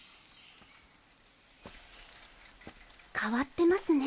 変わってますね。